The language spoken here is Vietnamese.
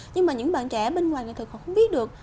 nhưng mà những bạn trẻ bên ngoài thật họ không biết được